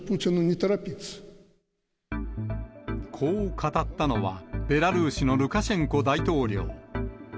こう語ったのは、ベラルーシのルカシェンコ大統領。